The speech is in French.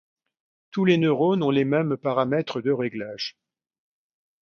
Tous les neurones ont les mêmes paramètres de réglage.